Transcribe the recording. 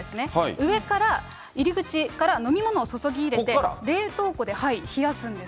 上から、入り口から飲み物を注ぎ入れて、冷凍庫で冷やすんです。